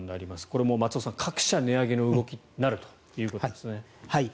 これ、松尾さん各社、値上げの動きになるということですね。